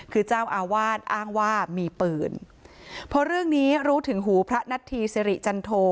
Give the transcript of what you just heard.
คือเจ้าอาวาสอ้างว่ามีปืนพอเรื่องนี้รู้ถึงหูพระนัทธีสิริจันโท